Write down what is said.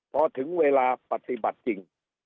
พอถึงเวลาปฏิบัติจริง